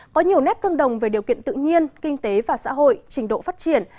có nhiều nét tương đồng về điều kiện tự nhiên kinh tế và xã hội trình độ phát triển